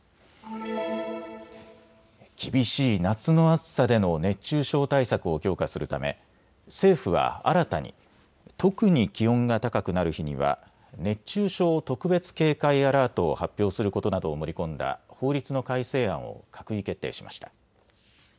厳しい夏の暑さでの熱中症対策を強化するため政府は新たに特に気温が高くなる日には熱中症特別警戒アラートを発表することなどを盛り込んだ法律の改正案を閣議決定しました。